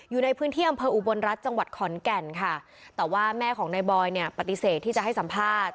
อยู่ในพื้นที่อำเภออุบลรัฐจังหวัดขอนแก่นค่ะแต่ว่าแม่ของนายบอยเนี่ยปฏิเสธที่จะให้สัมภาษณ์